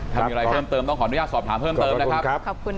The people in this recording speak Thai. ถ้ามีอะไรเพิ่มเติมต้องขออนุญาตสอบถามเพิ่มเติมนะครับ